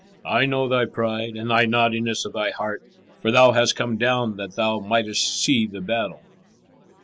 I know thy pride and the naughtiness of thy heart, for thou hast come down that thou mightest see the battle."